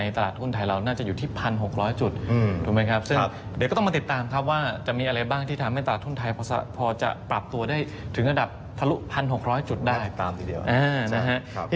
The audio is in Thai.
ถ้าอยากครับว่าจะมีอะไรบ้างที่ทำให้ตลาดท่วมไทยพอพอจะปรับตัวได้ถึงอันดับพลุ๑๖๐๐จุดได้